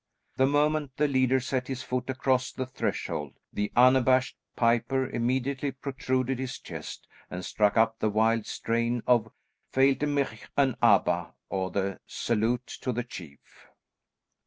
The moment the leader set his foot across the threshold, the unabashed piper immediately protruded his chest, and struck up the wild strain of "Failte mhic an Abba," or the Salute to the Chief.